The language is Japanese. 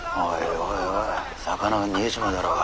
おい魚が逃げちまうだろうが。